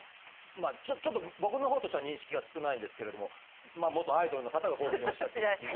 ちょっと僕の方としては認識が少ないんですけれどもまあ元アイドルの方がこういうふうにおっしゃっているんですけど。